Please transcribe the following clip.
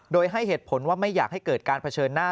โดยให้เหตุผลว่าไม่อยากให้เกิดการเผชิญหน้า